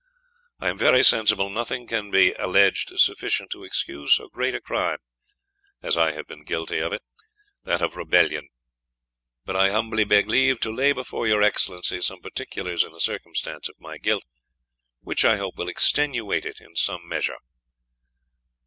I am very sensible nothing can be alledged sufficient to excuse so great a crime as I have been guilty of it, that of Rebellion. But I humbly beg leave to lay before your Excellency some particulars in the circumstance of my guilt, which, I hope, will extenuate it in some measure.